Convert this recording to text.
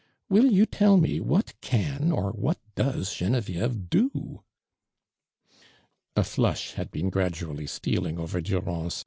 Will vou tell me what can or what does Oenevieve •vio?"' A flush had l>een gradually stealing over Durand's .